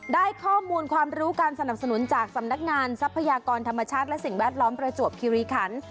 ได้ข้อมูลความรู้การสนับสนุนจากสำนักงานทรัพยากรธรรมชาติและสิ่งแวดล้อมประจวบคิริขัน